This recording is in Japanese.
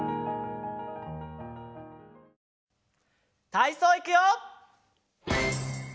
たいそういくよ！